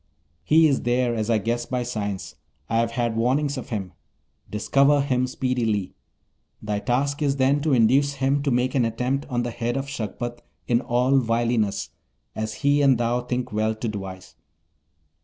He is there, as I guess by signs; I have had warnings of him. Discover him speedily. Thy task is then to induce him to make an attempt on the head of Shagpat in all wiliness, as he and thou think well to devise.